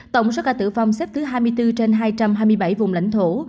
tổng số ca tử vong xếp thứ hai mươi bốn trên hai trăm hai mươi bảy vùng lãnh thổ